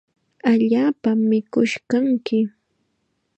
Allaapam mikush kanki.